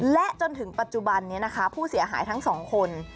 และจนถึงปัจจุบันนี้นะคะผู้เสียหายทั้งสองคน